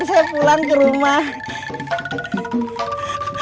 kamu udah bisa pulang ke rumah sekarang aslinya